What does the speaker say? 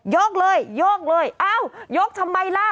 กเลยโยกเลยอ้าวยกทำไมล่ะ